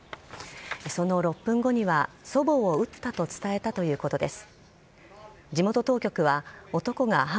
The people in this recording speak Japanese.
その６分後には、祖母を撃ったと伝えたということです。